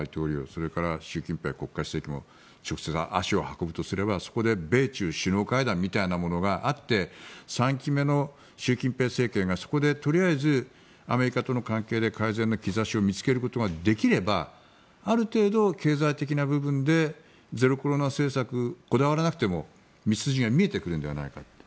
それから習近平国家主席も直接、足を運ぶとすればそこで米中首脳会談みたいなものがあって３期目の習近平政権がそこでとりあえずアメリカとの関係で改善の兆しを見つけることができればある程度、経済的な部分でゼロコロナ政策にこだわらなくても道筋が見えてくるのではないか。